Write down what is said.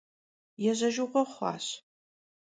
Yêjejjığue xhuaş.